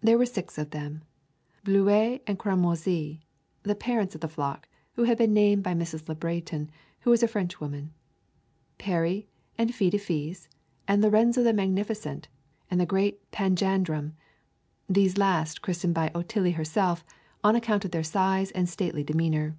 There were six of them, Bluet and Cramoisie, the parents of the flock, who had been named by Mrs. Le Breton, who was a Frenchwoman, Peri and Fee de Fees, and Lorenzo the Magnificent and the Great Panjandrum, these last christened by Otillie herself on account of their size and stately demeanor.